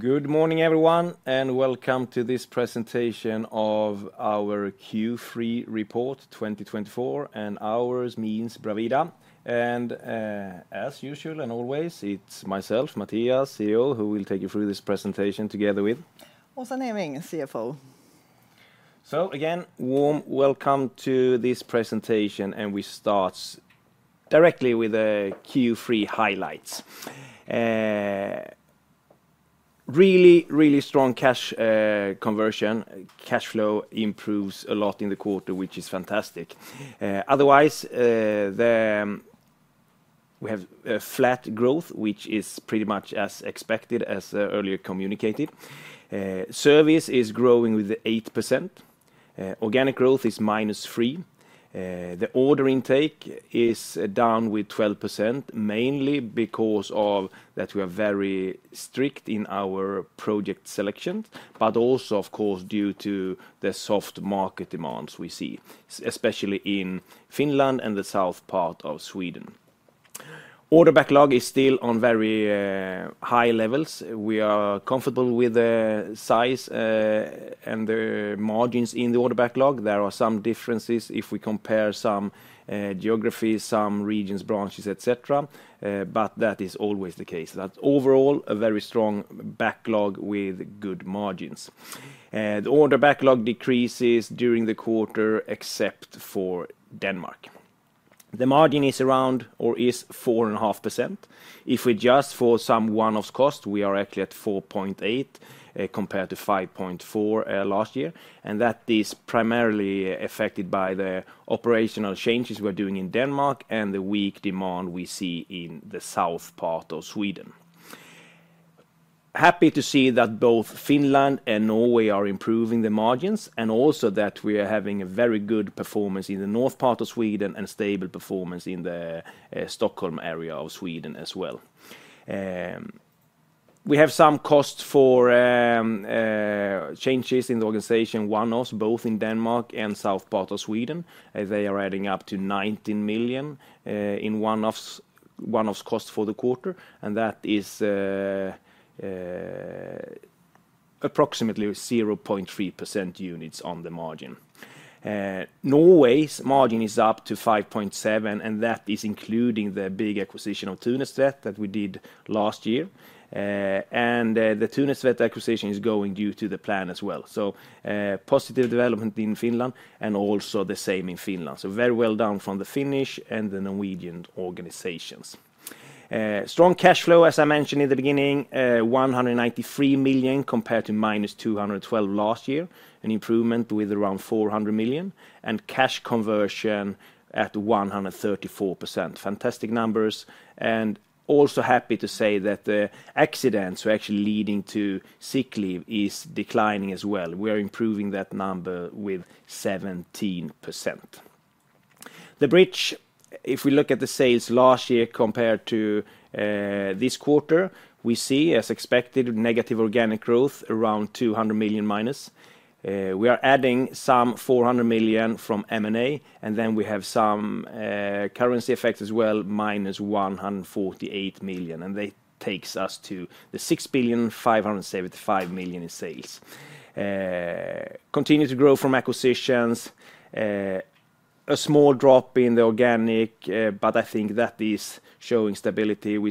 Good morning, everyone, and welcome to this presentation of our Q3 Report 2024, and ours means Bravida, and as usual and always, it's myself, Mattias, CEO, who will take you through this presentation together with. Åsa Neving, CFO. So again, warm welcome to this presentation, and we start directly with the Q3 highlights. Really, really strong cash conversion. Cash flow improves a lot in the quarter, which is fantastic. Otherwise, we have flat growth, which is pretty much as expected, as earlier communicated. Service is growing with 8%. Organic growth is minus 3%. The order intake is down with 12%, mainly because of that we are very strict in our project selections, but also, of course, due to the soft market demands we see, especially in Finland and the south part of Sweden. Order backlog is still on very high levels. We are comfortable with the size and the margins in the order backlog. There are some differences if we compare some geographies, some regions, branches, etc., but that is always the case. That's overall a very strong backlog with good margins. The order backlog decreases during the quarter, except for Denmark. The margin is around or is 4.5%. If we just for some one-off cost, we are actually at 4.8% compared to 5.4% last year, and that is primarily affected by the operational changes we're doing in Denmark and the weak demand we see in the south part of Sweden. Happy to see that both Finland and Norway are improving the margins and also that we are having a very good performance in the north part of Sweden and stable performance in the Stockholm area of Sweden as well. We have some costs for changes in the organization, one-offs, both in Denmark and south part of Sweden. They are adding up to 19 million in one-offs cost for the quarter, and that is approximately 0.3% units on the margin. Norway's margin is up to 5.7%, and that is including the big acquisition of Thunestvedt that we did last year, and the Thunestvedt acquisition is going due to the plan as well. So positive development in Finland and also the same in Finland. So very well done from the Finnish and the Norwegian organizations. Strong cash flow, as I mentioned in the beginning, 193 million compared to minus 212 million last year, an improvement with around 400 million, and cash conversion at 134%. Fantastic numbers, and also happy to say that the accidents are actually leading to sick leave is declining as well. We are improving that number with 17%. The bridge, if we look at the sales last year compared to this quarter, we see, as expected, negative organic growth, around 200 million minus. We are adding some 400 million from M&A, and then we have some currency effects as well, minus 148 million, and that takes us to the 6,575 million in sales. Continue to grow from acquisitions. A small drop in the organic, but I think that is showing stability. We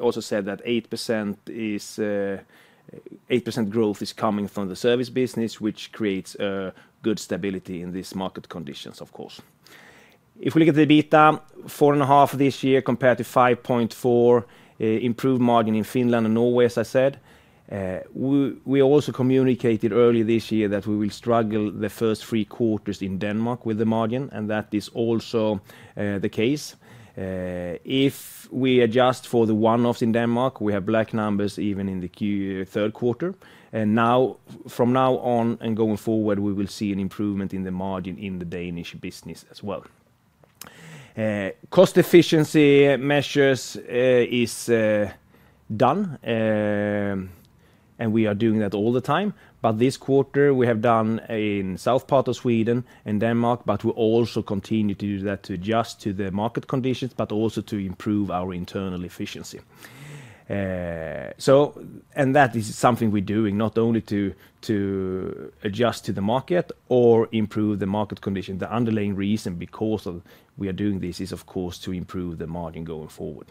also said that 8% growth is coming from the service business, which creates good stability in these market conditions, of course. If we look at the EBITA, 4.5% this year compared to 5.4%, improved margin in Finland and Norway, as I said. We also communicated earlier this year that we will struggle the first three quarters in Denmark with the margin, and that is also the case. If we adjust for the one-offs in Denmark, we have black numbers even in the third quarter. From now on and going forward, we will see an improvement in the margin in the Danish business as well. Cost efficiency measures is done, and we are doing that all the time, but this quarter we have done in the south part of Sweden and Denmark, but we also continue to do that to adjust to the market conditions, but also to improve our internal efficiency. And that is something we're doing not only to adjust to the market or improve the market condition. The underlying reason because we are doing this is, of course, to improve the margin going forward.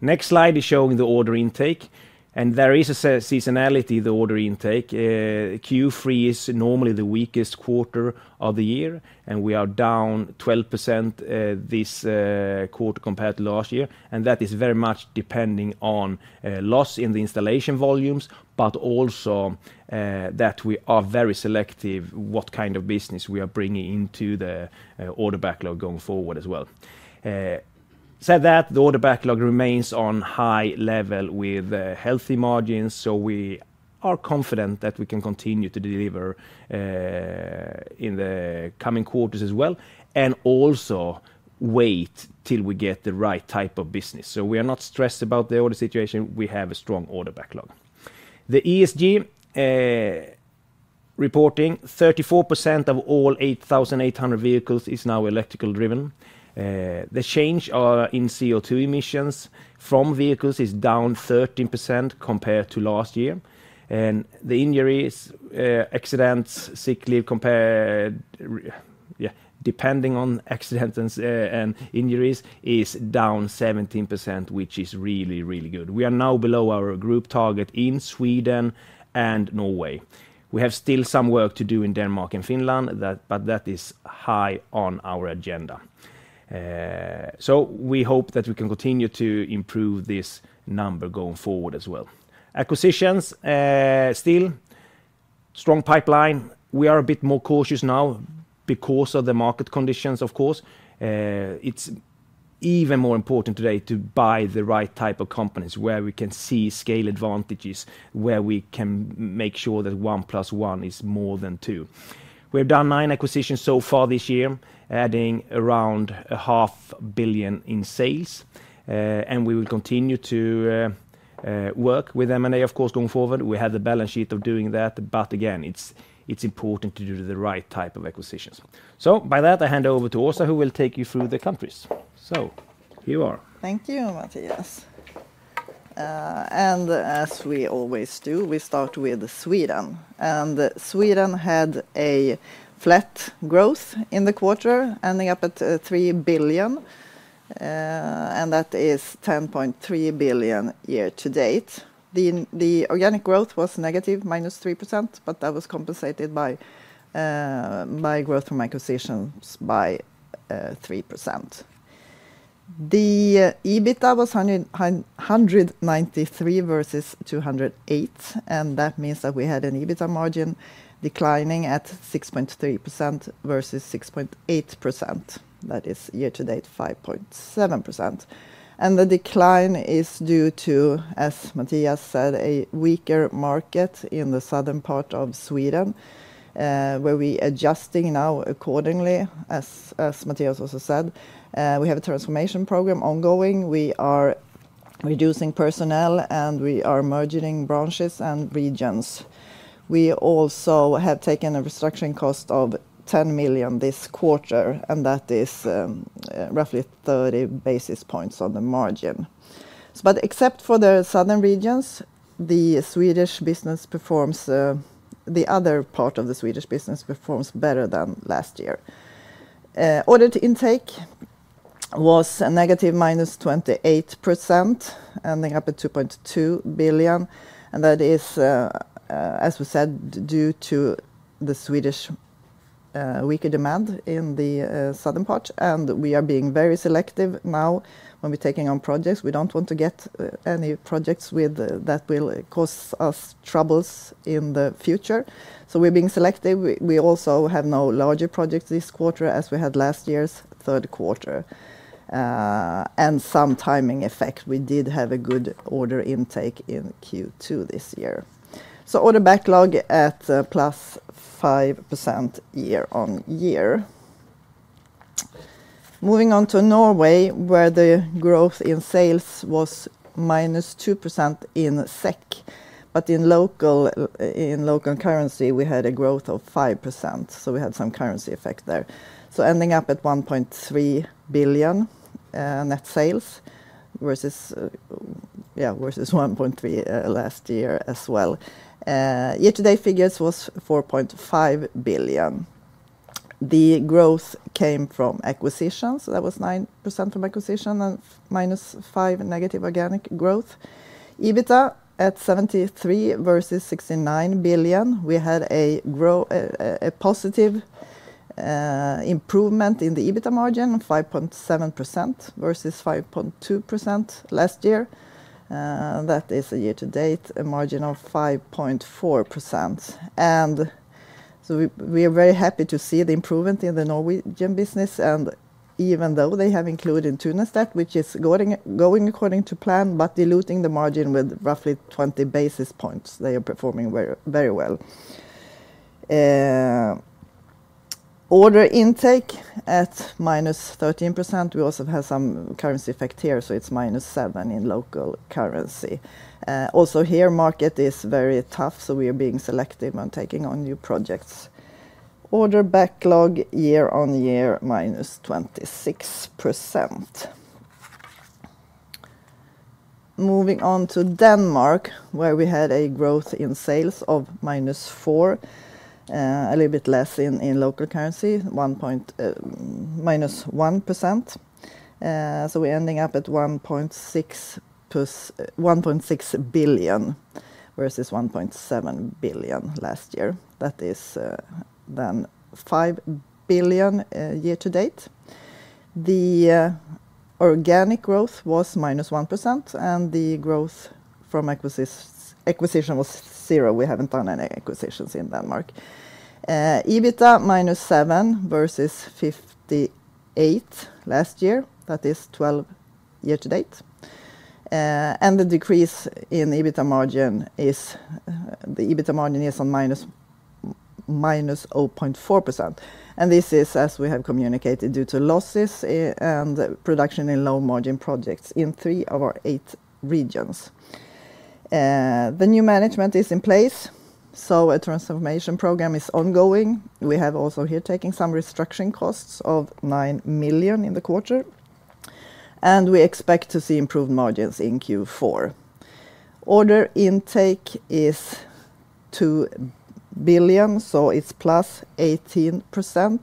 Next slide is showing the order intake, and there is a seasonality in the order intake. Q3 is normally the weakest quarter of the year, and we are down 12% this quarter compared to last year, and that is very much depending on loss in the installation volumes, but also that we are very selective what kind of business we are bringing into the order backlog going forward as well. That said, the order backlog remains on high level with healthy margins, so we are confident that we can continue to deliver in the coming quarters as well, and also wait till we get the right type of business. So we are not stressed about the order situation. We have a strong order backlog. The ESG reporting, 34% of all 8,800 vehicles is now electrically driven. The change in CO2 emissions from vehicles is down 13% compared to last year, and the injuries, accidents, sick leave compared, yeah, depending on accidents and injuries, is down 17%, which is really, really good. We are now below our group target in Sweden and Norway. We have still some work to do in Denmark and Finland, but that is high on our agenda. So we hope that we can continue to improve this number going forward as well. Acquisitions, still strong pipeline. We are a bit more cautious now because of the market conditions, of course. It's even more important today to buy the right type of companies where we can see scale advantages, where we can make sure that one plus one is more than two. We have done nine acquisitions so far this year, adding around 500 million in sales, and we will continue to work with M&A, of course, going forward. We have the balance sheet of doing that, but again, it's important to do the right type of acquisitions. So by that, I hand over to Åsa, who will take you through the countries. So here you are. Thank you, Mattias. And as we always do, we start with Sweden. And Sweden had a flat growth in the quarter, ending up at 3 billion, and that is 10.3 billion year-to-date. The organic growth was negative, minus 3%, but that was compensated by growth from acquisitions by 3%. The EBITA was 193 versus 208, and that means that we had an EBITA margin declining at 6.3% versus 6.8%. That is year-to-date, 5.7%. And the decline is due to, as Mattias said, a weaker market in the southern part of Sweden, where we are adjusting now accordingly, as Mattias also said. We have a transformation program ongoing. We are reducing personnel, and we are merging branches and regions. We also have taken a restructuring cost of 10 million this quarter, and that is roughly 30 basis points on the margin. But except for the southern regions, the Swedish business performs; the other part of the Swedish business performs better than last year. Order intake was -28%, ending up at 2.2 billion, and that is, as we said, due to the Swedish weaker demand in the southern part, and we are being very selective now when we're taking on projects. We don't want to get any projects that will cause us troubles in the future. So we're being selective. We also have no larger projects this quarter, as we had last year's third quarter, and some timing effect. We did have a good order intake in Q2 this year. So order backlog at +5% year-on-year. Moving on to Norway, where the growth in sales was -2% in SEK, but in local currency, we had a growth of 5%, so we had some currency effect there. Ending up at 1.3 billion net sales versus 1.3 billion last year as well. Year-to-date figures was 4.5 billion. The growth came from acquisitions, so that was 9% from acquisition and -5% negative organic growth. EBITA at 73 million versus 69 million. We had a positive improvement in the EBITA margin, 5.7% versus 5.2% last year. That is a year-to-date margin of 5.4%. We are very happy to see the improvement in the Norwegian business, and even though they have included Thunestvedt, which is going according to plan, but diluting the margin with roughly 20 basis points, they are performing very well. Order intake at -13%. We also have some currency effect here, so it's -7% in local currency. Also here, market is very tough, so we are being selective on taking on new projects. Order backlog year-on-year, -26%. Moving on to Denmark, where we had a growth in sales of minus 4%, a little bit less in local currency, minus 1%. So we're ending up at 1.6 billion SEK versus 1.7 billion last year. That is then 5 billion SEK year-to-date. The organic growth was minus 1%, and the growth from acquisition was zero. We haven't done any acquisitions in Denmark. EBITA -7 versus 58 last year. That is 12 year-to-date. The EBITA margin is -0.4%. And this is, as we have communicated, due to losses and production in low margin projects in three of our eight regions. The new management is in place, so a transformation program is ongoing. We have also here taking some restructuring costs of 9 million in the quarter, and we expect to see improved margins in Q4. Order intake is 2 billion, so it's plus 18%,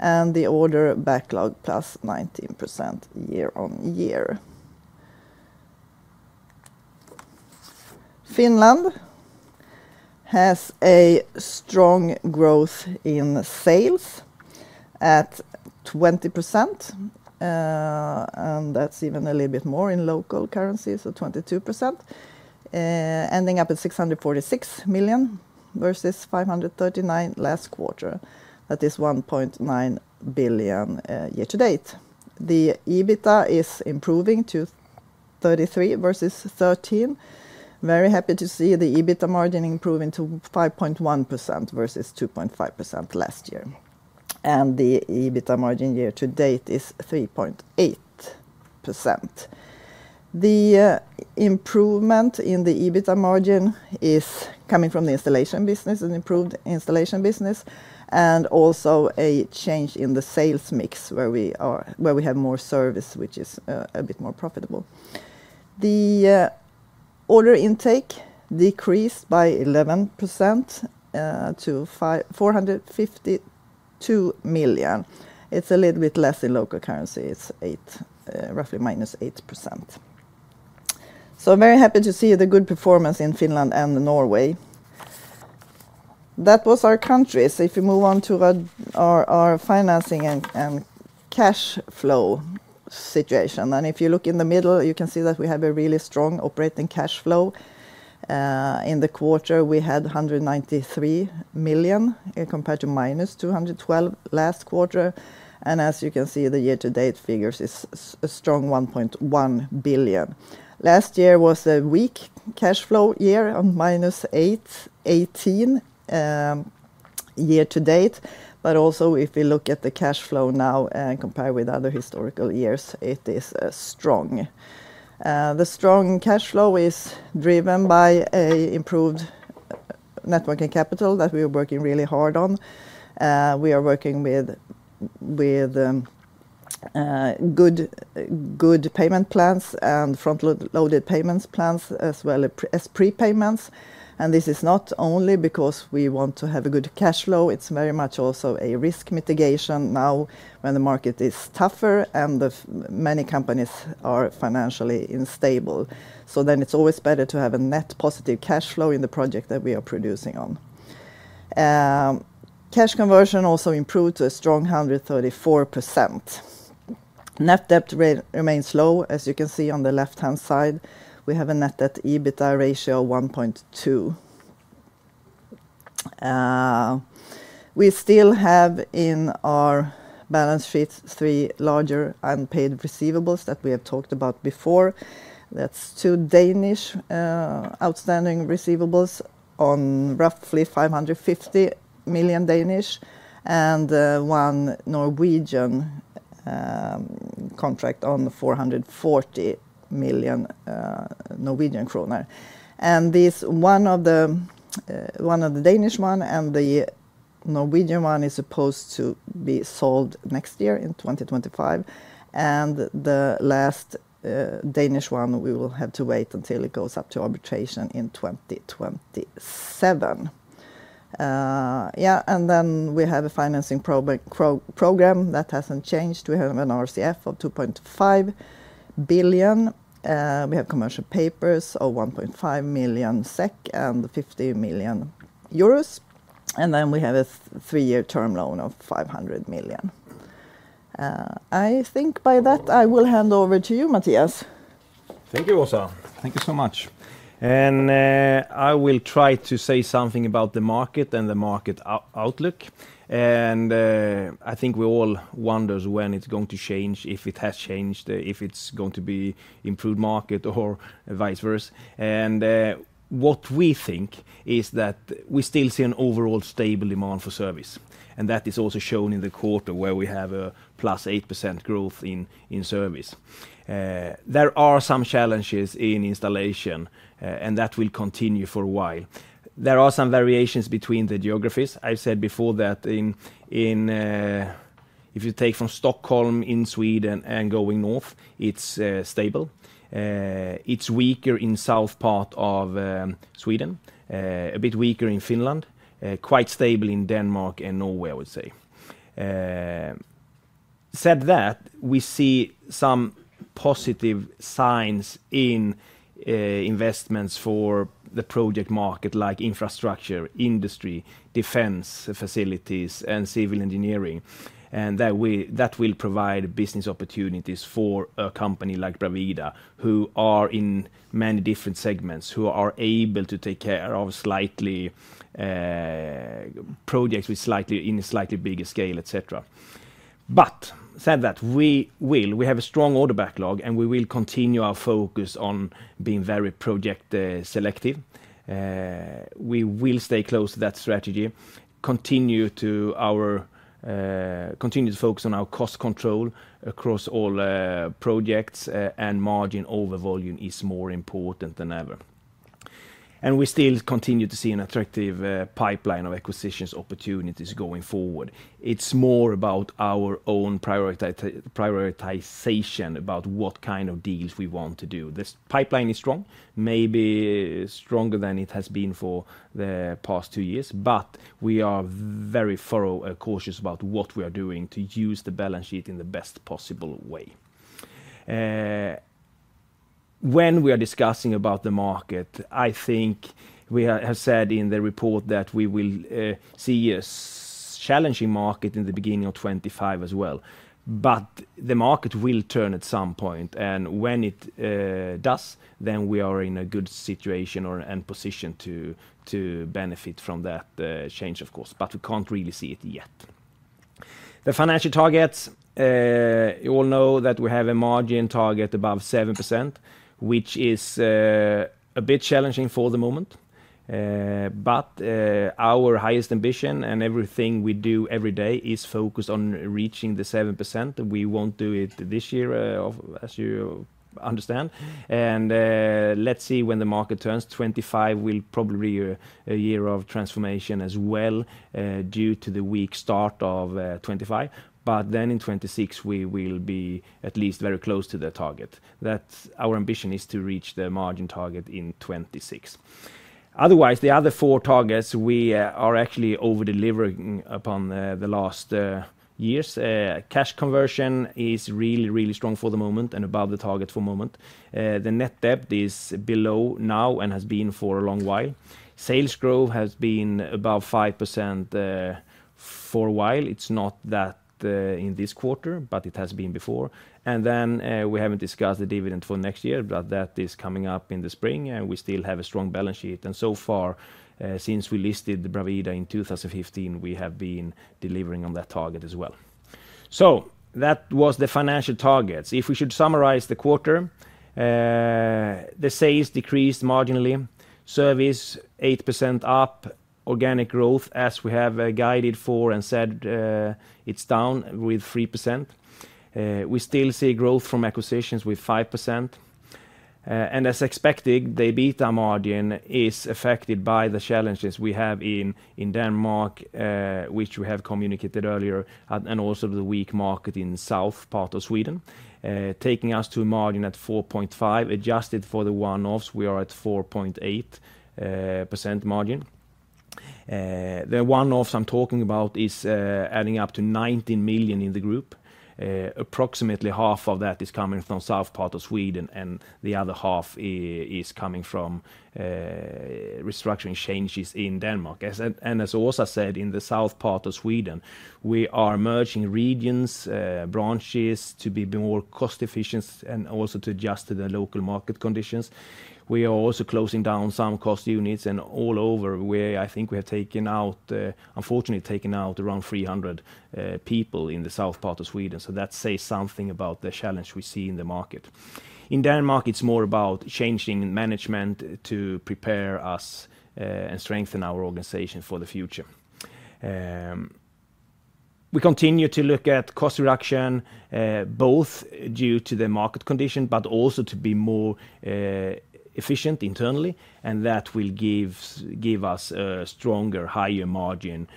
and the order backlog plus 19% year-on-year. Finland has a strong growth in sales at 20%, and that's even a little bit more in local currency, so 22%, ending up at 646 million versus 539 million last quarter. That is 1.9 billion year-to-date. The EBITA is improving to 33 million versus 13 million. Very happy to see the EBITA margin improving to 5.1% versus 2.5% last year. And the EBITA margin year-to-date is 3.8%. The improvement in the EBITA margin is coming from the installation business, an improved installation business, and also a change in the sales mix where we have more service, which is a bit more profitable. The order intake decreased by 11% to 452 million. It's a little bit less in local currency. It's roughly minus 8%. Very happy to see the good performance in Finland and Norway. That was our countries. If we move on to our financing and cash flow situation, and if you look in the middle, you can see that we have a really strong operating cash flow. In the quarter, we had 193 million compared to -212 million last quarter, and as you can see, the year-to-date figures is a strong 1.1 billion. Last year was a weak cash flow year of -818 million year-to-date, but also if we look at the cash flow now and compare with other historical years, it is strong. The strong cash flow is driven by an improved net working capital that we are working really hard on. We are working with good payment plans and front-loaded payments plans as well as prepayments, and this is not only because we want to have a good cash flow. It's very much also a risk mitigation now when the market is tougher and many companies are financially unstable. So then it's always better to have a net positive cash flow in the project that we are producing on. Cash conversion also improved to a strong 134%. Net debt remains low, as you can see on the left-hand side. We have a net debt/EBITA ratio of 1.2. We still have in our balance sheets three larger unpaid receivables that we have talked about before. That's two Danish outstanding receivables on roughly 550 million and one Norwegian contract on 440 million Norwegian kroner. And this one of the Danish one and the Norwegian one is supposed to be sold next year in 2025, and the last Danish one we will have to wait until it goes up to arbitration in 2027. Yeah, and then we have a financing program that hasn't changed. We have an RCF of 2.5 billion. We have commercial papers of 1.5 billion SEK and 50 million euros, and then we have a three-year term loan of 500 million. I think by that I will hand over to you, Mattias. Thank you, Åsa. Thank you so much, and I will try to say something about the market and the market outlook, and I think we all wonder when it's going to change, if it has changed, if it's going to be an improved market or vice versa, and what we think is that we still see an overall stable demand for service, and that is also shown in the quarter where we have a plus 8% growth in service. There are some challenges in installation, and that will continue for a while. There are some variations between the geographies. I said before that if you take from Stockholm in Sweden and going north, it's stable. It's weaker in the south part of Sweden, a bit weaker in Finland, quite stable in Denmark and Norway, I would say. That said, we see some positive signs in investments for the project market, like infrastructure, industry, defense facilities, and civil engineering, and that will provide business opportunities for a company like Bravida, who are in many different segments, who are able to take care of projects in slightly bigger scale, etc. But that said, we have a strong order backlog, and we will continue our focus on being very project selective. We will stay close to that strategy, continue to focus on our cost control across all projects, and margin over volume is more important than ever. We still continue to see an attractive pipeline of acquisitions opportunities going forward. It's more about our own prioritization about what kind of deals we want to do. This pipeline is strong, maybe stronger than it has been for the past two years, but we are very thorough and cautious about what we are doing to use the balance sheet in the best possible way. When we are discussing about the market, I think we have said in the report that we will see a challenging market in the beginning of 2025 as well, but the market will turn at some point, and when it does, then we are in a good situation and position to benefit from that change, of course, but we can't really see it yet. The financial targets, you all know that we have a margin target above 7%, which is a bit challenging for the moment, but our highest ambition and everything we do every day is focused on reaching the 7%. We won't do it this year, as you understand, and let's see when the market turns. 2025 will probably be a year of transformation as well due to the weak start of 2025, but then in 2026 we will be at least very close to the target. Our ambition is to reach the margin target in 2026. Otherwise, the other four targets we are actually over-delivering upon the last years. Cash conversion is really, really strong for the moment and above the target for the moment. The net debt is below now and has been for a long while. Sales growth has been above 5% for a while. It's not that in this quarter, but it has been before. And then we haven't discussed the dividend for next year, but that is coming up in the spring, and we still have a strong balance sheet. So far, since we listed Bravida in 2015, we have been delivering on that target as well. That was the financial targets. If we should summarize the quarter, the sales decreased marginally, service 8% up, organic growth, as we have guided for and said it's down 3%. We still see growth from acquisitions with 5%, and as expected, the EBITA margin is affected by the challenges we have in Denmark, which we have communicated earlier, and also the weak market in the south part of Sweden, taking us to a margin at 4.5%. Adjusted for the one-offs, we are at 4.8% margin. The one-offs I'm talking about is adding up to 19 million in the group. Approximately half of that is coming from the south part of Sweden, and the other half is coming from restructuring changes in Denmark. As Åsa said, in the south part of Sweden, we are merging regions, branches to be more cost-efficient and also to adjust to the local market conditions. We are also closing down some cost units, and all over, I think we have taken out, unfortunately, taken out around 300 people in the south part of Sweden, so that says something about the challenge we see in the market. In Denmark, it's more about changing management to prepare us and strengthen our organization for the future. We continue to look at cost reduction, both due to the market condition, but also to be more efficient internally, and that will give us a stronger, higher margin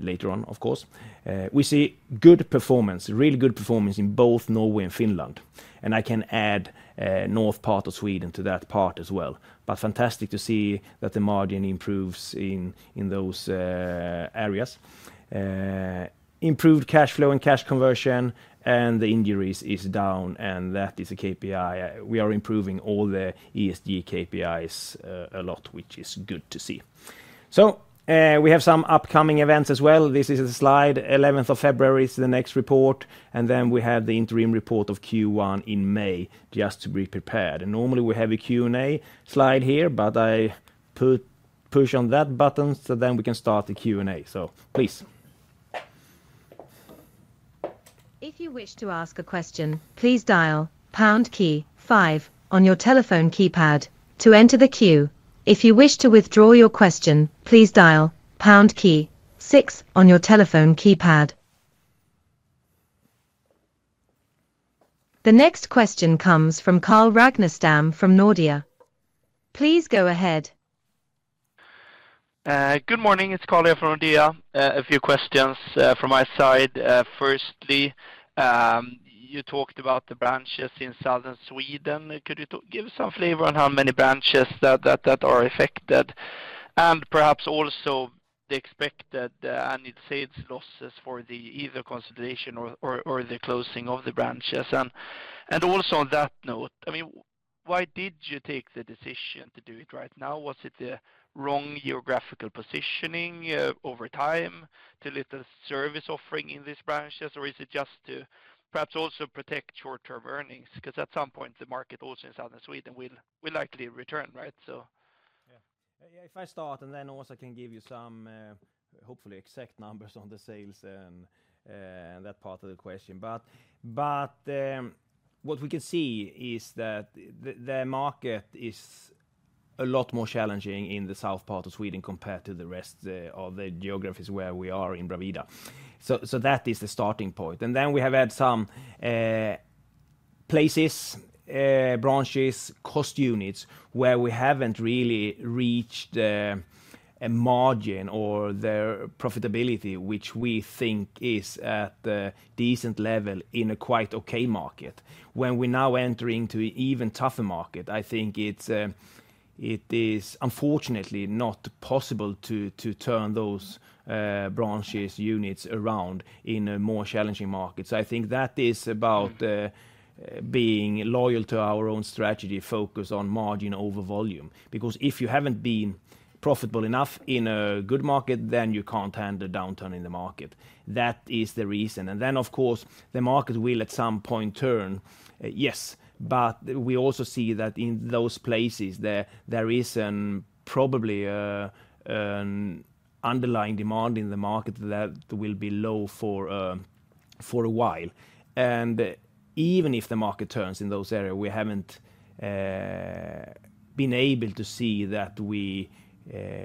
later on, of course. We see good performance, really good performance in both Norway and Finland, and I can add north part of Sweden to that part as well, but fantastic to see that the margin improves in those areas. Improved cash flow and cash conversion, and the injuries is down, and that is a KPI. We are improving all the ESG KPIs a lot, which is good to see. So we have some upcoming events as well. This is a slide. 11th of February is the next report, and then we have the interim report of Q1 in May just to be prepared. And normally we have a Q&A slide here, but I push on that button so then we can start the Q&A, so please. If you wish to ask a question, please dial pound key five on your telephone keypad to enter the queue. If you wish to withdraw your question, please dial pound key six on your telephone keypad. The next question comes from Carl Ragnerstam from Nordea. Please go ahead. Good morning. It's Karl here from Nordea. A few questions from my side. Firstly, you talked about the branches in Southern Sweden. Could you give some flavor on how many branches that are affected and perhaps also the expected annual sales losses for either consolidation or the closing of the branches? And also on that note, I mean, why did you take the decision to do it right now? Was it the wrong geographical positioning over time too little service offering in these branches, or is it just to perhaps also protect short-term earnings? Because at some point, the market also in Southern Sweden will likely return, right? Yeah. If I start and then Åsa can give you some hopefully exact numbers on the sales and that part of the question. But what we can see is that the market is a lot more challenging in the south part of Sweden compared to the rest of the geographies where we are in Bravida. So that is the starting point. And then we have had some places, branches, cost units where we haven't really reached a margin or the profitability, which we think is at a decent level in a quite okay market. When we now enter into an even tougher market, I think it is unfortunately not possible to turn those branches, units around in a more challenging market. So I think that is about being loyal to our own strategy, focus on margin over volume, because if you haven't been profitable enough in a good market, then you can't handle downturn in the market. That is the reason. And then, of course, the market will at some point turn. Yes, but we also see that in those places, there is probably an underlying demand in the market that will be low for a while. And even if the market turns in those areas, we haven't been able to see that we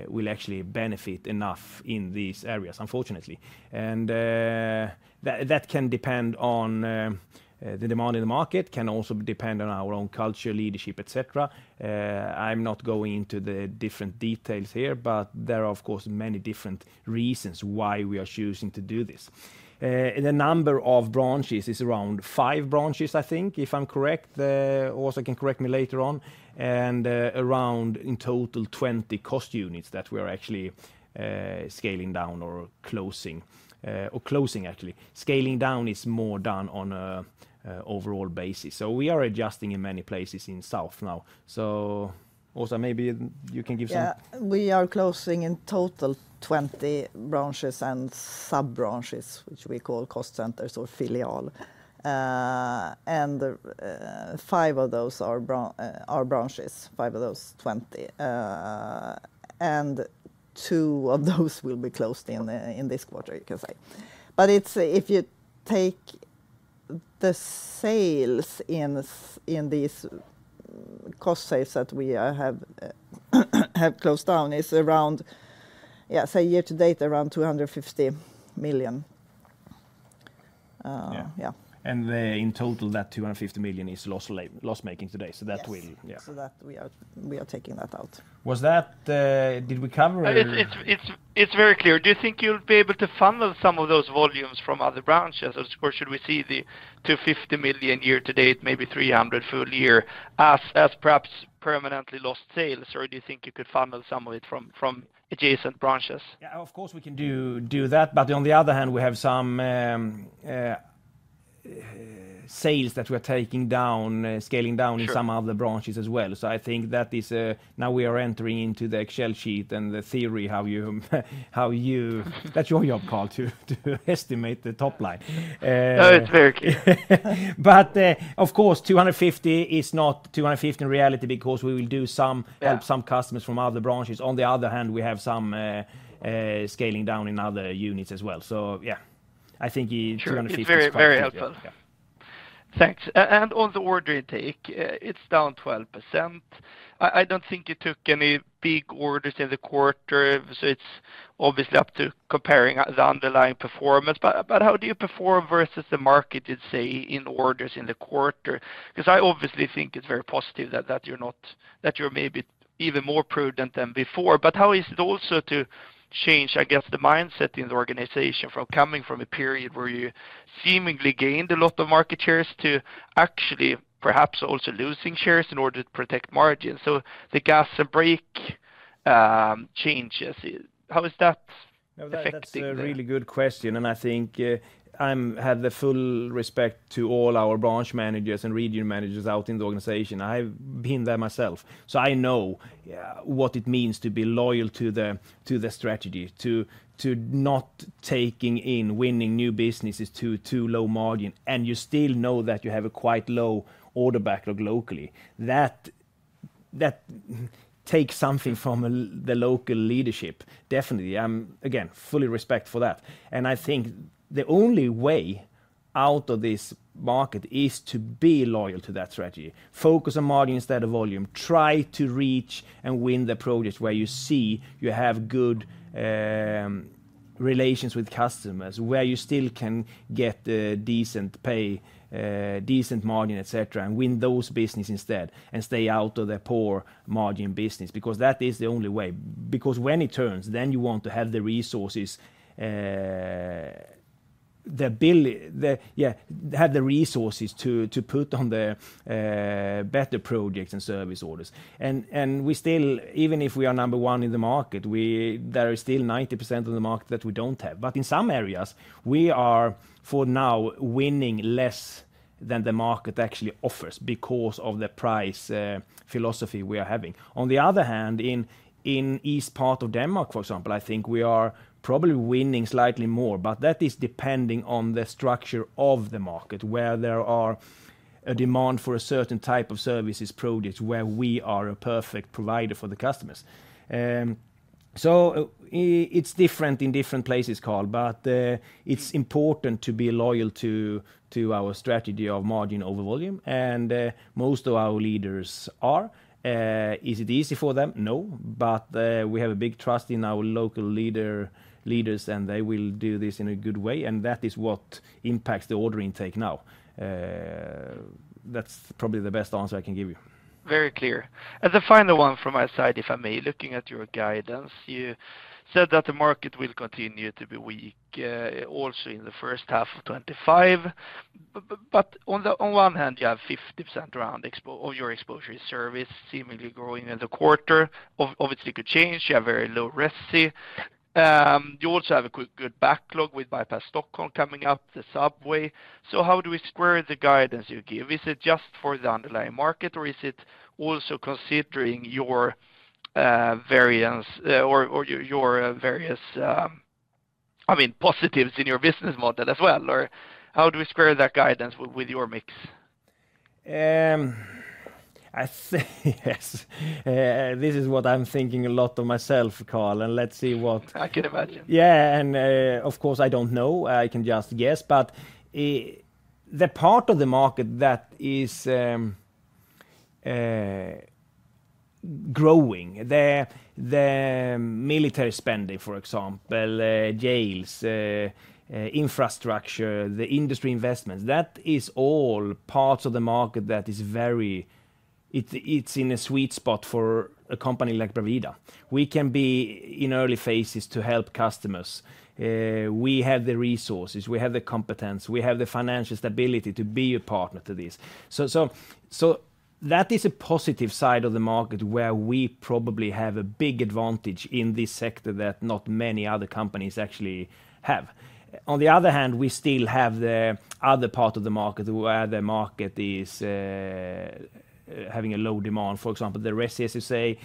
will actually benefit enough in these areas, unfortunately. And that can depend on the demand in the market, can also depend on our own culture, leadership, etc. I'm not going into the different details here, but there are, of course, many different reasons why we are choosing to do this. The number of branches is around five branches, I think, if I'm correct. Åsa can correct me later on. And around in total, 20 cost units that we are actually scaling down or closing. Or closing, actually. Scaling down is more done on an overall basis. So we are adjusting in many places in south now. So Åsa, maybe you can give some. We are closing in total 20 branches and sub-branches, which we call cost centers or filial. And five of those are branches, five of those 20. And two of those will be closed in this quarter, you can say. But if you take the sales in these cost sales that we have closed down, it's around, yeah, say year-to-date, around 250 million. Yeah. In total, that 250 million is loss-making today, so that will. So that we are taking that out. Did we cover? It's very clear. Do you think you'll be able to funnel some of those volumes from other branches, or should we see the 250 million year-to-date, maybe 300 million full year as perhaps permanently lost sales, or do you think you could funnel some of it from adjacent branches? Yeah, of course we can do that, but on the other hand, we have some sales that we are taking down, scaling down in some other branches as well. So I think that is now we are entering into the Excel sheet and the theory how you that's your job, Carl, to estimate the top line. No, it's very clear. But of course, 250 is not 250 in reality because we will help some customers from other branches. On the other hand, we have some scaling down in other units as well. So yeah, I think 250 is very helpful. Thanks. And on the order intake, it's down 12%. I don't think you took any big orders in the quarter, so it's obviously up to comparing the underlying performance. But how do you perform versus the market, you'd say, in orders in the quarter? Because I obviously think it's very positive that you're maybe even more prudent than before. But how is it also to change, I guess, the mindset in the organization from coming from a period where you seemingly gained a lot of market shares to actually perhaps also losing shares in order to protect margins? So the gas and brake changes, how is that affecting you? That's a really good question, and I think I have the full respect to all our branch managers and region managers out in the organization. I've been there myself, so I know what it means to be loyal to the strategy, to not taking in winning new businesses to too low margin, and you still know that you have a quite low order backlog locally. That takes something from the local leadership, definitely. Again, fully respect for that. And I think the only way out of this market is to be loyal to that strategy. Focus on margin instead of volume. Try to reach and win the projects where you see you have good relations with customers, where you still can get a decent pay, decent margin, etc., and win those businesses instead and stay out of the poor margin business, because that is the only way. Because when it turns, then you want to have the resources, yeah, have the resources to put on the better projects and service orders. And we still, even if we are number one in the market, there are still 90% of the market that we don't have. But in some areas, we are for now winning less than the market actually offers because of the price philosophy we are having. On the other hand, in Eastern Denmark, for example, I think we are probably winning slightly more, but that is depending on the structure of the market, where there are a demand for a certain type of services, projects where we are a perfect provider for the customers. So it's different in different places, Karl, but it's important to be loyal to our strategy of margin over volume, and most of our leaders are. Is it easy for them? No, but we have a big trust in our local leaders, and they will do this in a good way, and that is what impacts the order intake now. That's probably the best answer I can give you. Very clear. And the final one from my side, if I may, looking at your guidance, you said that the market will continue to be weak also in the first half of 2025. But on one hand, you have 50% around of your exposure in service seemingly growing in the quarter. Obviously, it could change. You have very low resi. You also have a good backlog with Bypass Stockholm coming up, the subway. So how do we square the guidance you give? Is it just for the underlying market, or is it also considering your variance or your various, I mean, positives in your business model as well? Or how do we square that guidance with your mix? Yes. This is what I'm thinking a lot of myself, Carl, and let's see what. I can imagine. Yeah, and of course, I don't know. I can just guess, but the part of the market that is growing, the military spending, for example, jails, infrastructure, the industry investments, that is all parts of the market that is very, it's in a sweet spot for a company like Bravida. We can be in early phases to help customers. We have the resources, we have the competence, we have the financial stability to be a partner to this. So that is a positive side of the market where we probably have a big advantage in this sector that not many other companies actually have. On the other hand, we still have the other part of the market where the market is having a low demand, for example, the RESI, as you say,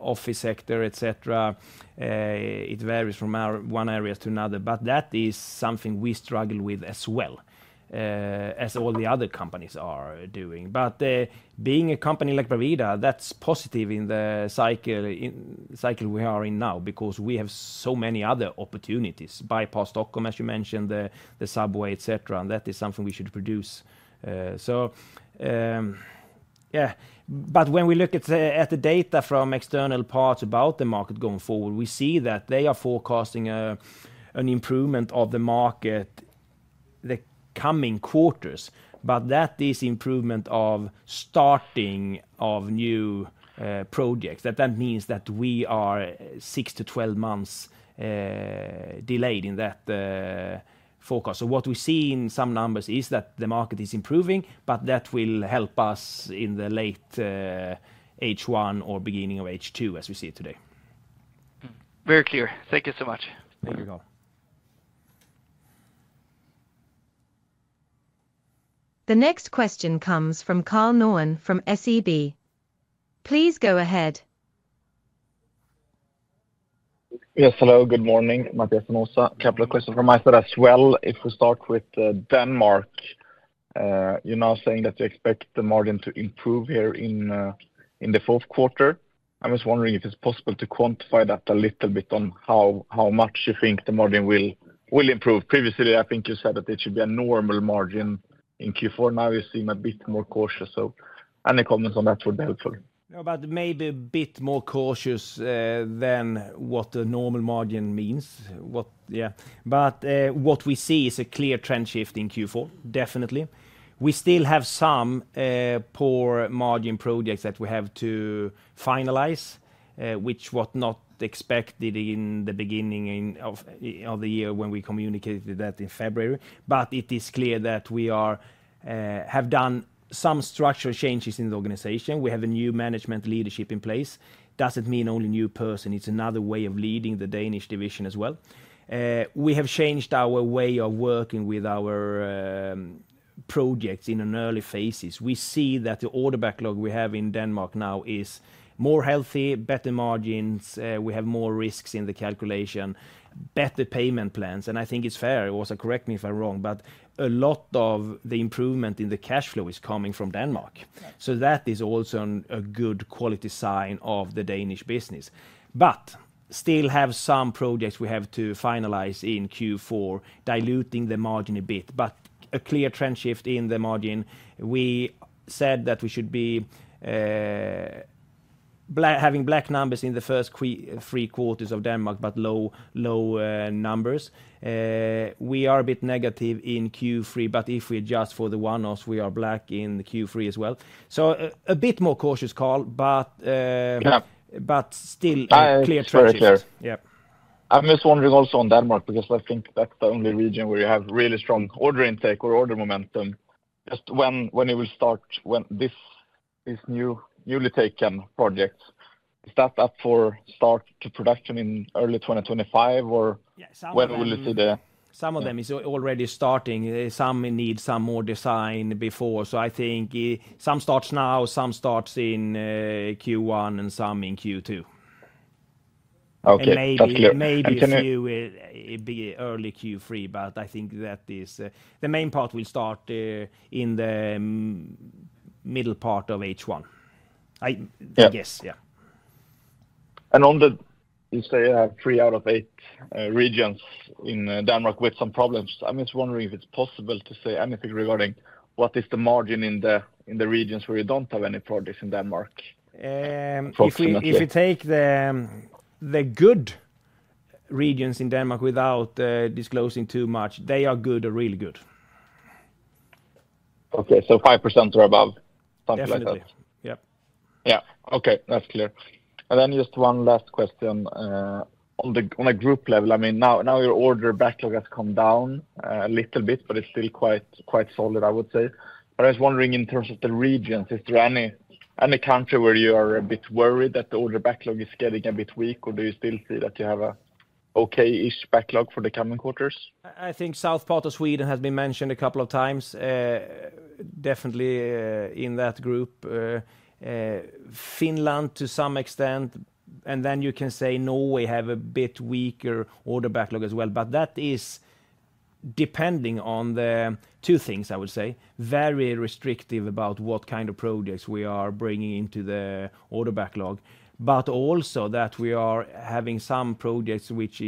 office sector, etc. It varies from one area to another, but that is something we struggle with as well, as all the other companies are doing. But being a company like Bravida, that's positive in the cycle we are in now because we have so many other opportunities: Bypass Stockholm, as you mentioned, the subway, etc., and that is something we should produce. So yeah, but when we look at the data from external parts about the market going forward, we see that they are forecasting an improvement of the market the coming quarters, but that is improvement of starting of new projects. That means that we are 6 to 12 months delayed in that forecast. So what we see in some numbers is that the market is improving, but that will help us in the late H1 or beginning of H2, as we see it today. Very clear. Thank you so much. Thank you, Carl. The next question comes from Karl Norén from SEB. Please go ahead. Yes, hello, good morning, Mattias and Åsa. Carnegie from my side as well. If we start with Denmark, you're now saying that you expect the margin to improve here in the fourth quarter. I'm just wondering if it's possible to quantify that a little bit on how much you think the margin will improve. Previously, I think you said that it should be a normal margin in Q4. Now you seem a bit more cautious, so any comments on that would be helpful. But maybe a bit more cautious than what a normal margin means. Yeah, but what we see is a clear trend shift in Q4, definitely. We still have some poor margin projects that we have to finalize, which were not expected in the beginning of the year when we communicated that in February. But it is clear that we have done some structural changes in the organization. We have a new management leadership in place. Doesn't mean only a new person. It's another way of leading the Danish division as well. We have changed our way of working with our projects in early phases. We see that the order backlog we have in Denmark now is more healthy, better margins. We have more risks in the calculation, better payment plans. And I think it's fair. Åsa, correct me if I'm wrong, but a lot of the improvement in the cash flow is coming from Denmark, so that is also a good quality sign of the Danish business. But still have some projects we have to finalize in Q4, diluting the margin a bit, but a clear trend shift in the margin. We said that we should be having black numbers in the first three quarters of Denmark, but low numbers. We are a bit negative in Q3, but if we adjust for the one-offs, we are black in Q3 as well, so a bit more cautious, Karl, but still a clear trend shift. Very clear. I'm just wondering also on Denmark, because I think that's the only region where you have really strong order intake or order momentum. Just when you will start this newly taken project, is that up for start to production in early 2025, or when will you see the? Some of them are already starting. Some need some more design before. So I think some starts now, some starts in Q1, and some in Q2. Okay, that's clear. Maybe Q will be early Q3, but I think that is the main part will start in the middle part of H1, I guess, yeah. On the, you say, three out of eight regions in Denmark with some problems, I'm just wondering if it's possible to say anything regarding what is the margin in the regions where you don't have any problems in Denmark? If you take the good regions in Denmark without disclosing too much, they are good or really good. Okay, so 5% or above, something like that. Yeah. Yeah, okay, that's clear. And then just one last question. On a group level, I mean, now your order backlog has come down a little bit, but it's still quite solid, I would say. But I was wondering in terms of the regions, is there any country where you are a bit worried that the order backlog is getting a bit weak, or do you still see that you have an okay-ish backlog for the coming quarters? I think the south part of Sweden has been mentioned a couple of times, definitely in that group. Finland to some extent, and then you can say Norway have a bit weaker order backlog as well, but that is depending on the two things, I would say, very restrictive about what kind of projects we are bringing into the order backlog. But also that we are having some projects which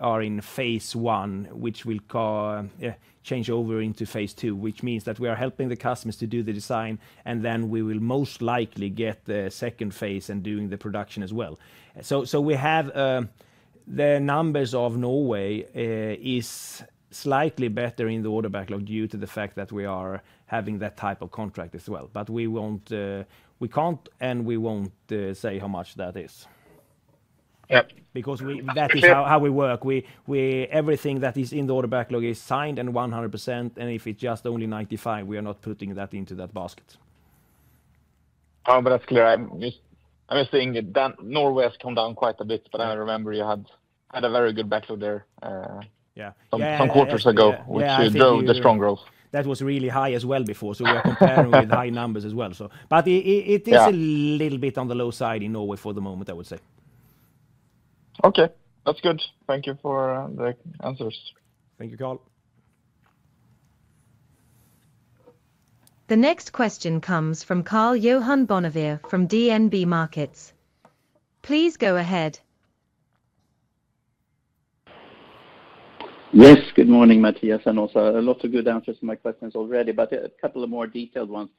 are in phase one, which will change over into phase two, which means that we are helping the customers to do the design, and then we will most likely get the second phase and doing the production as well, so we have the numbers of Norway is slightly better in the order backlog due to the fact that we are having that type of contract as well. But we can't and we won't say how much that is. Yeah. Because that is how we work. Everything that is in the order backlog is signed and 100%, and if it's just only 95%, we are not putting that into that basket. But that's clear. I'm just seeing that Norway has come down quite a bit, but I remember you had a very good backlog there some quarters ago, which drove the strong growth. That was really high as well before, so we are comparing with high numbers as well. But it is a little bit on the low side in Norway for the moment, I would say. Okay, that's good. Thank you for the answers. Thank you, Karl. The next question comes from Karl-Johan Bonnevier from DNB Markets. Please go ahead. Yes, good morning, Mattias and Åsa. A lot of good answers to my questions already, but a couple of more detailed ones.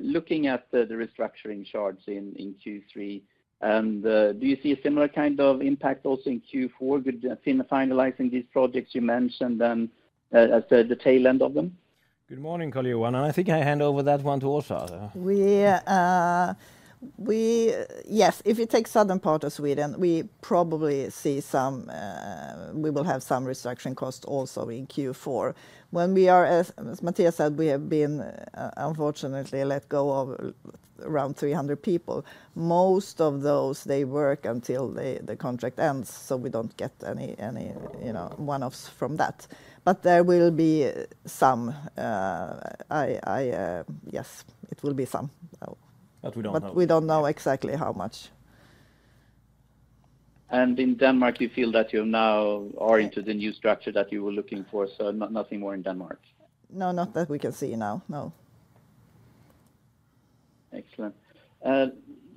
Looking at the restructuring charts in Q3, do you see a similar kind of impact also in Q4, finalizing these projects you mentioned and at the tail end of them? Good morning, Karl-Johan, and I think I hand over that one to Åsa. Yes, if you take southern part of Sweden, we probably will have some restructuring costs also in Q4. As Mattias said, we have unfortunately let go of around 300 people. Most of those, they work until the contract ends, so we don't get any one-offs from that. But there will be some, yes, it will be some. But we don't know. But we don't know exactly how much. In Denmark, you feel that you now are into the new structure that you were looking for, so nothing more in Denmark? No, not that we can see now, no. Excellent.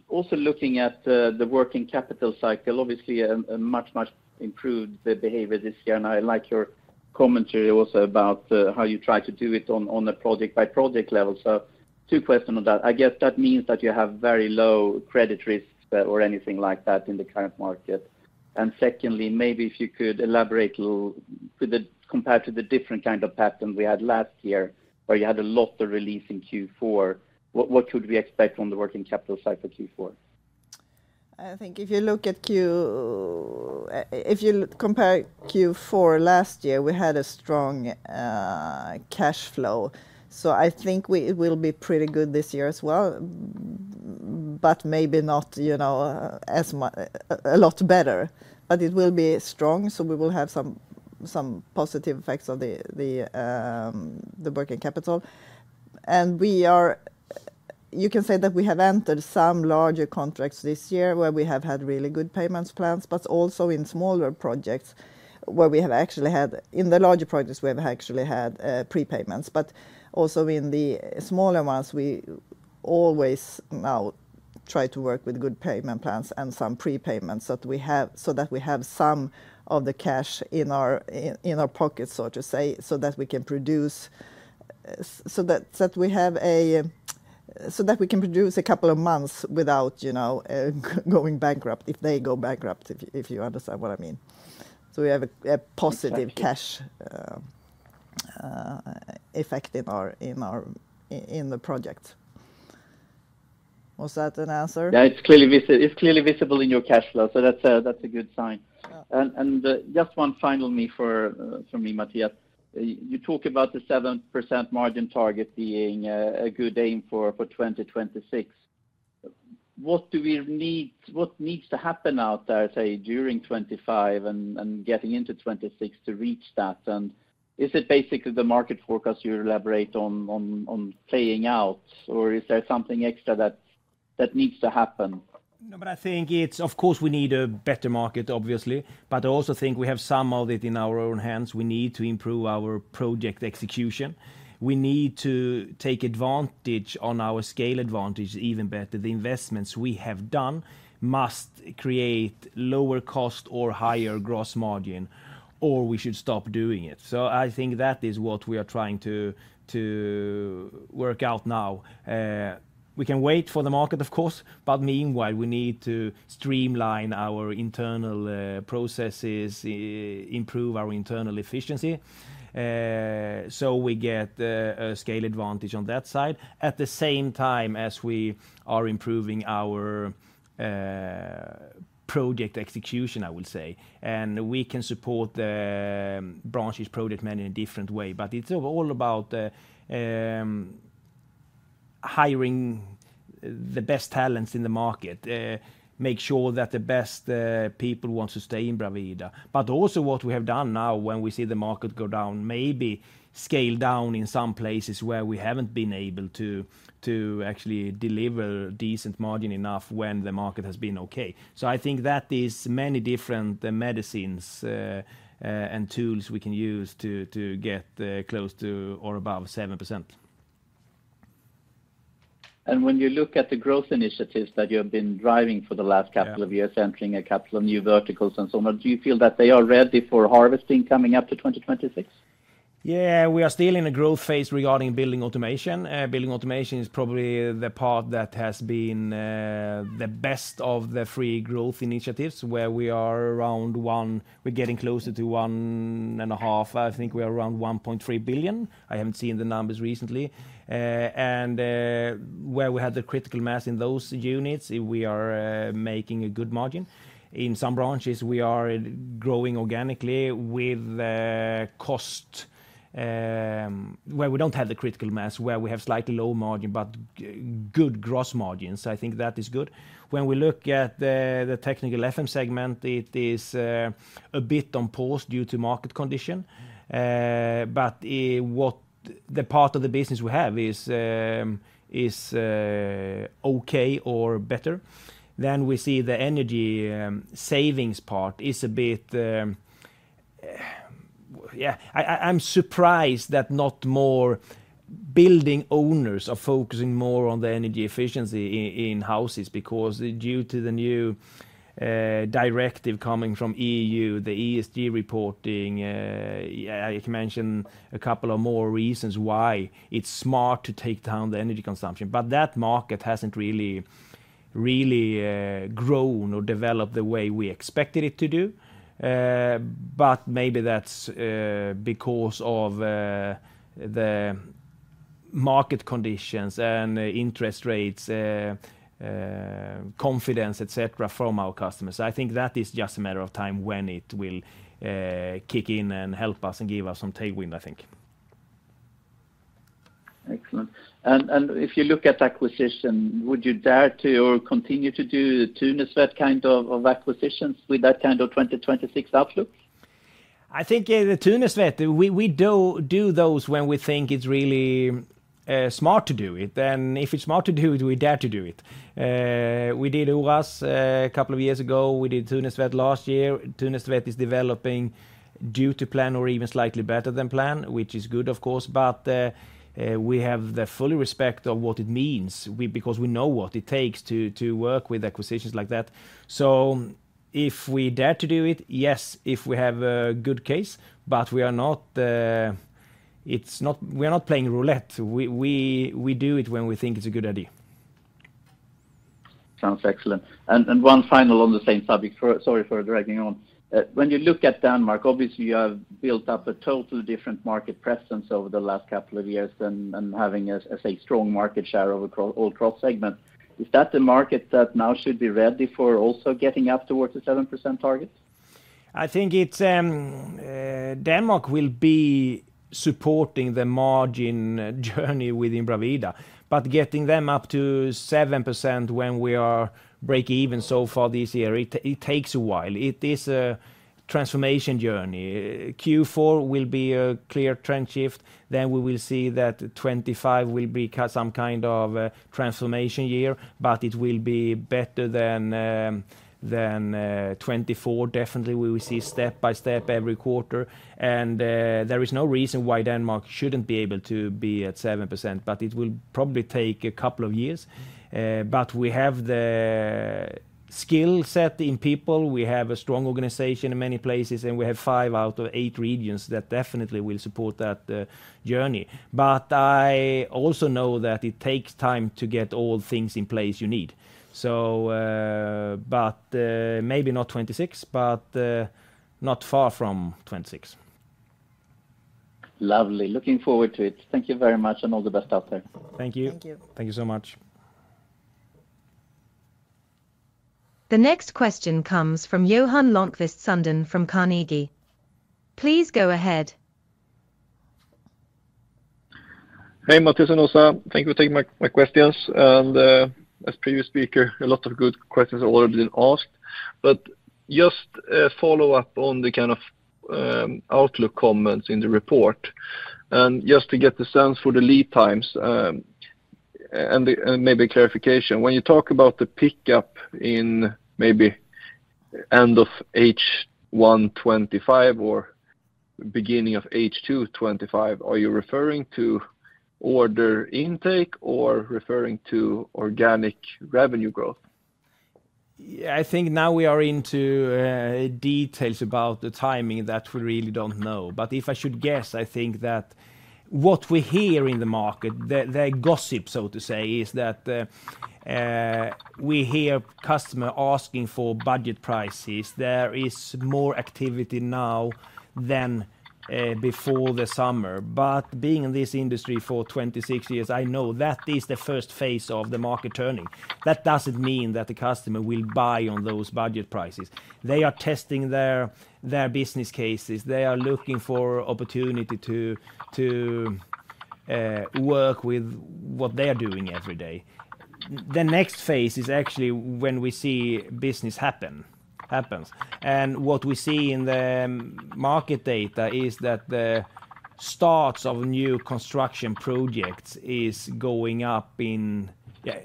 Also looking at the working capital cycle, obviously a much, much improved behavior this year, and I like your commentary also about how you try to do it on a project-by-project level. So two questions on that. I guess that means that you have very low credit risk or anything like that in the current market. And secondly, maybe if you could elaborate a little compared to the different kind of pattern we had last year where you had a lot of release in Q4, what could we expect on the working capital side for Q4? I think if you look at Q4 if you compare Q4 last year, we had a strong cash flow, so I think it will be pretty good this year as well, but maybe not a lot better, but it will be strong, so we will have some positive effects on the working capital, and you can say that we have entered some larger contracts this year where we have had really good payment plans, but also in smaller projects where we have actually had prepayments in the larger projects. But also in the smaller ones, we always now try to work with good payment plans and some prepayments so that we have some of the cash in our pockets, so to say, so that we can produce a couple of months without going bankrupt if they go bankrupt, if you understand what I mean. So we have a positive cash effect in the project. Was that an answer? Yeah, it's clearly visible in your cash flow, so that's a good sign. And just one final one for me, Mattias. You talk about the 7% margin target being a good aim for 2026. What needs to happen out there, say, during 2025 and getting into 2026 to reach that? And is it basically the market forecast you elaborate on playing out, or is there something extra that needs to happen? No, but I think it's of course we need a better market, obviously, but I also think we have some of it in our own hands. We need to improve our project execution. We need to take advantage on our scale advantage even better. The investments we have done must create lower cost or higher gross margin, or we should stop doing it. So I think that is what we are trying to work out now. We can wait for the market, of course, but meanwhile we need to streamline our internal processes, improve our internal efficiency so we get a scale advantage on that side at the same time as we are improving our project execution, I would say. And we can support the branches, project managers in a different way, but it's all about hiring the best talents in the market, make sure that the best people want to stay in Bravida. But also what we have done now when we see the market go down, maybe scale down in some places where we haven't been able to actually deliver decent margin enough when the market has been okay. So I think that is many different medicines and tools we can use to get close to or above 7%. When you look at the growth initiatives that you have been driving for the last couple of years, entering a couple of new verticals and so on, do you feel that they are ready for harvesting coming up to 2026? Yeah, we are still in a growth phase regarding building automation. Building automation is probably the part that has been the best of the three growth initiatives where we are around one. We're getting closer to one and a half. I think we are around 1.3 billion. I haven't seen the numbers recently. And where we had the critical mass in those units, we are making a good margin. In some branches, we are growing organically with cost where we don't have the critical mass, where we have slightly low margin but good gross margins. I think that is good. When we look at the technical FM segment, it is a bit on pause due to market condition. But the part of the business we have is okay or better. Then we see the energy savings part is a bit, yeah. I'm surprised that not more building owners are focusing more on the energy efficiency in houses because due to the new directive coming from EU, the ESG reporting. I can mention a couple of more reasons why it's smart to take down the energy consumption. But that market hasn't really grown or developed the way we expected it to do. But maybe that's because of the market conditions and interest rates, confidence, etc., from our customers. I think that is just a matter of time when it will kick in and help us and give us some tailwind, I think. Excellent. And if you look at acquisition, would you dare to or continue to do Thunestvedt kind of acquisitions with that kind of 2026 outlook? I think Thunestvedt, we do those when we think it's really smart to do it. And if it's smart to do it, we dare to do it. We did Oras a couple of years ago. We did Thunestvedt last year. Thunestvedt is developing due to plan or even slightly better than plan, which is good, of course. But we have the full respect of what it means because we know what it takes to work with acquisitions like that. So if we dare to do it, yes, if we have a good case, but we are not playing roulette. We do it when we think it's a good idea. Sounds excellent, and one final on the same subject, sorry for dragging on. When you look at Denmark, obviously you have built up a totally different market presence over the last couple of years and having a strong market share all cross segment. Is that the market that now should be ready for also getting up towards the 7% target? I think Denmark will be supporting the margin journey within Bravida, but getting them up to 7% when we are break even so far this year, it takes a while. It is a transformation journey. Q4 will be a clear trend shift. Then we will see that 2025 will be some kind of transformation year, but it will be better than 2024. Definitely, we will see step by step every quarter. And there is no reason why Denmark should not be able to be at 7%, but it will probably take a couple of years. But we have the skill set in people. We have a strong organization in many places, and we have five out of eight regions that definitely will support that journey. But I also know that it takes time to get all things in place you need. But maybe not 2026, but not far from 2026. Lovely. Looking forward to it. Thank you very much and all the best out there. Thank you. Thank you. Thank you so much. The next question comes from Johan Lönnquist Sundén from Carnegie. Please go ahead. Hey, Mattias and Åsa. Thank you for taking my questions. And as previous speaker, a lot of good questions have already been asked. But just a follow-up on the kind of outlook comments in the report. And just to get the sense for the lead times, and maybe a clarification, when you talk about the pickup in maybe end of H1 2025 or beginning of H2 2025, are you referring to order intake or referring to organic revenue growth? I think now we are into details about the timing that we really don't know. But if I should guess, I think that what we hear in the market, the gossip, so to say, is that we hear customers asking for budget prices. There is more activity now than before the summer. But being in this industry for 26 years, I know that is the first phase of the market turning. That doesn't mean that the customer will buy on those budget prices. They are testing their business cases. They are looking for opportunity to work with what they are doing every day. The next phase is actually when we see business happens. And what we see in the market data is that the starts of new construction projects are going up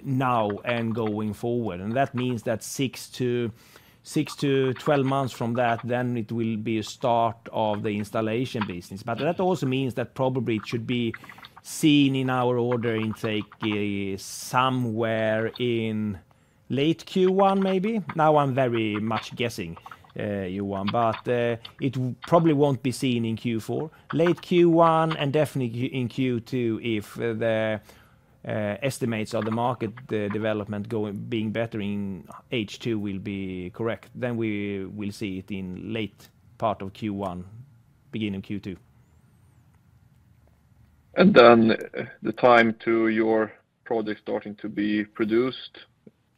now and going forward. And that means that six to 12 months from that, then it will be a start of the installation business. But that also means that probably it should be seen in our order intake somewhere in late Q1, maybe. Now I'm very much guessing, Johan, but it probably won't be seen in Q4. Late Q1 and definitely in Q2, if the estimates of the market development being better in H2 will be correct, then we will see it in late part of Q1, beginning of Q2. And then, the time to your project starting to be produced,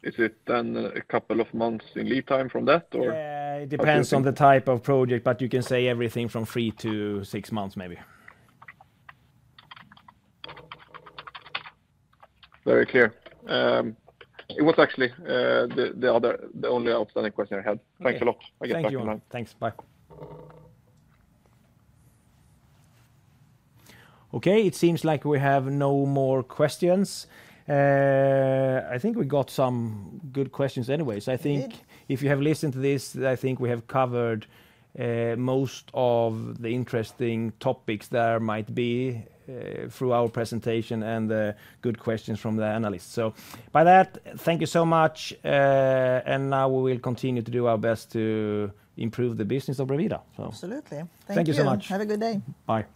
is it then a couple of months in lead time from that, or? It depends on the type of project, but you can say everything from three to six months, maybe. Very clear. It was actually the only outstanding question I had. Thanks a lot. I guess that's all. Thank you. Thanks. Bye. Okay, it seems like we have no more questions. I think we got some good questions anyways. I think if you have listened to this, I think we have covered most of the interesting topics there might be through our presentation and the good questions from the analysts. So by that, thank you so much. And now we will continue to do our best to improve the business of Bravida. Absolutely. Thank you so much. Thank you. Have a good day. Bye.